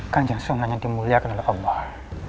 kanjang sungai yang dimuliakan oleh allah